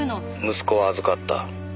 「息子は預かった」